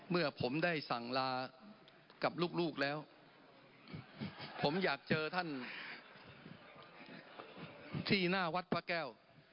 เมื่อผมได้สั่งลากับลูกแล้วผมอยากเจอท่านที่หน้าวัดพระแก้ว